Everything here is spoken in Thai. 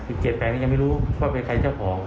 อีก๗แปลงยังไม่รู้ว่าเป็นใครเป็นเจ้าของ